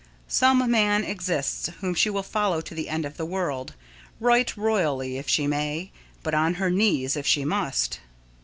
Some man exists whom she will follow to the end of the world, right royally if she may, but on her knees if she must.